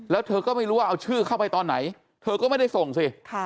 แล้วเธอก็ไม่รู้ว่าเอาชื่อเข้าไปตอนไหนเธอก็ไม่ได้ส่งสิ